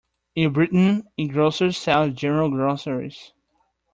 In Britain, a grocer sells general groceries